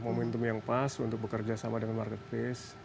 momentum yang pas untuk bekerja sama dengan marketplace